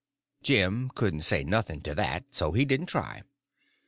Jim couldn't say nothing to that, so he didn't try.